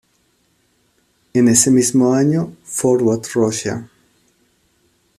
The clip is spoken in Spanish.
En ese mismo año ¡Forward, Russia!